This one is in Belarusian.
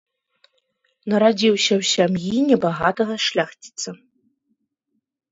Нарадзіўся ў сям'і небагатага шляхціца.